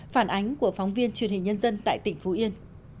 phản ánh của phóng viên truyền hình nhân dân tại tỉnh phú yên